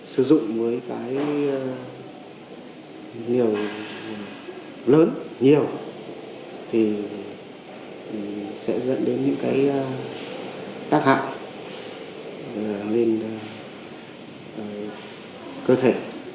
sử dụng với cái nhiều lớn nhiều thì sẽ dẫn đến những cái tác hại lên cơ thể